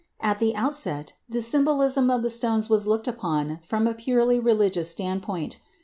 At the outset, the symbolism of the stones was looked upon from a purely religious standpoint.